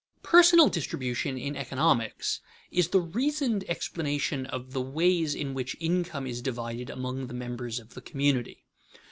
_Personal distribution, in economics, is the reasoned explanation of the ways in which income is divided among the members of the community.